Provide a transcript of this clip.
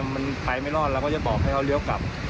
มันไปไม่รอดเราก็จะบอกให้เขาเลี้ยวกลับ